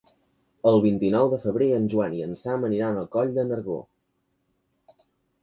El vint-i-nou de febrer en Joan i en Sam aniran a Coll de Nargó.